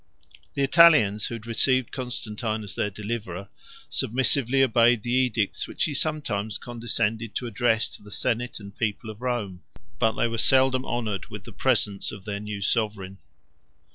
The Italians, who had received Constantine as their deliverer, submissively obeyed the edicts which he sometimes condescended to address to the senate and people of Rome; but they were seldom honored with the presence of their new sovereign.